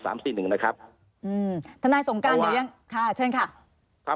ท่านนายสงกรรมอยู่หรือยังค่ะเชิญค่ะ